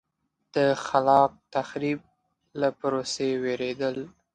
د خلاق تخریب له پروسې وېرېدل.